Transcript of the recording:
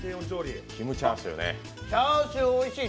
チャーシューおいしい。